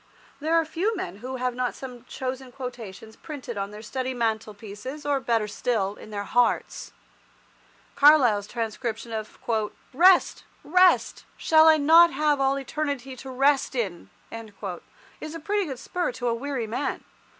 There are few men who have not some chosen quotations printed on their study mantelpieces, or, better still, in their hearts. Carlyle's transcription of "Rest! Rest! Shall I not have all Eternity to rest in!" is a pretty good spur to a weary man.